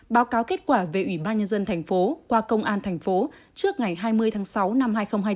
báo cáo kết quả về ủy banh dân thành phố qua công an thành phố trước ngày hai mươi tháng sáu năm hai nghìn hai mươi bốn